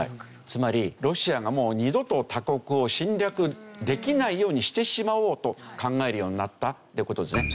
つまりロシアがもう二度と他国を侵略できないようにしてしまおうと考えるようになったっていう事ですね。